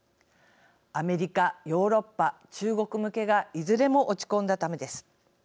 アメリカ、ヨーロッパ中国向けがいずれも落ち込んだためです。